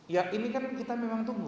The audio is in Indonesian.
ya ini kan kita memang tunggu